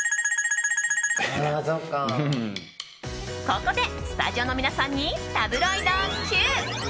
ここで、スタジオの皆さんにタブロイドＱ！